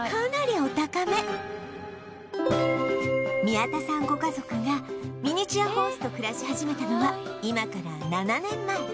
宮田さんご家族がミニチュアホースと暮らし始めたのは今から７年前